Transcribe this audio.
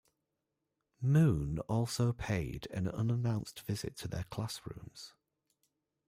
Moon also paid an unannounced visit to their classrooms.